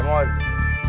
kalian tirim kok